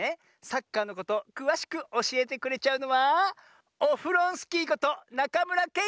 サッカーのことくわしくおしえてくれちゃうのはオフロンスキーことなかむらけんごさんよ。